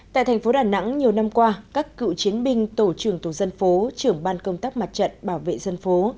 tại thành phố đà nẵng nhiều năm qua các cựu chiến binh tổ trưởng tổ dân phố trưởng ban công tác mặt trận bảo vệ dân phố